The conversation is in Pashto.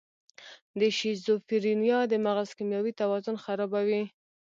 د شیزوفرینیا د مغز کیمیاوي توازن خرابوي.